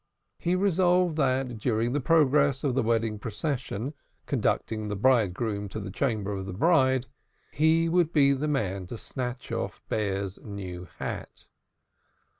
He resolved that during the progress of the wedding procession conducting the bridegroom to the chamber of the bride, he would be the man to snatch off Bear's new hat.